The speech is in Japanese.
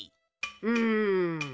うん。